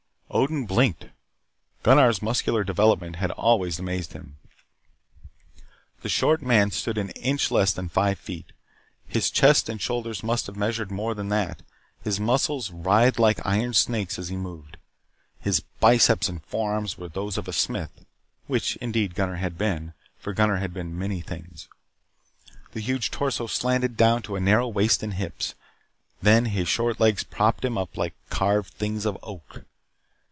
Odin blinked. Gunnar's muscular development had always amazed him. The short man stood an inch less than five feet. His chest and shoulders must have measured more than that, his muscles writhed like iron snakes as he moved. His biceps and forearms were those of a smith which indeed Gunnar had been, for Gunnar had been many things. The huge torso slanted down to narrow waist and hips. Then his short legs propped him up like carved things of oak.